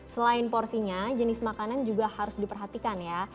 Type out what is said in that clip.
selain porsinya jenis makanan juga harus diperhatikan ya